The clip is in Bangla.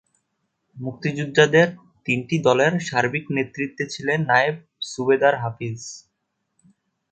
মুক্তিযোদ্ধাদের তিনটি দলের সার্বিক নেতৃত্বে ছিলেন নায়েব সুবেদার হাফিজ।